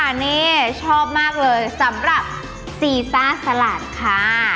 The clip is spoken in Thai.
โอเคนี่ชอบมากเลยสำหรับซีซ่าสลัทนะคะ